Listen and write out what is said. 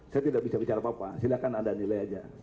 saya tidak bisa bicara apa apa silahkan ada nilai aja